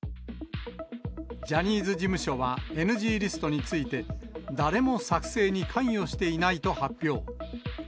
ジャニーズ事務所はＮＧリストについて、誰も作成に関与していないと発表。